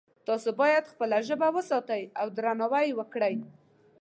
تاسو باید خپله ژبه وساتئ او درناوی یې وکړئ